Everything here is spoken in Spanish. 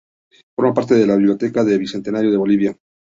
Forma parte de las de la Biblioteca del Bicentenario de Bolivia.